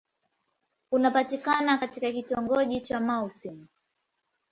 Unapatikana katika kitongoji cha Mouassine.